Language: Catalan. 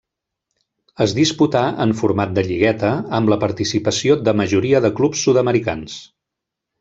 Es disputà en format de lligueta, amb la participació de majoria de clubs sud-americans.